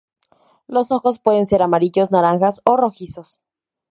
Los ojos pueden ser amarillos, naranjas o rojizos.